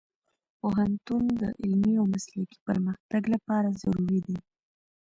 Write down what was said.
پوهنتون د علمي او مسلکي پرمختګ لپاره ضروري دی.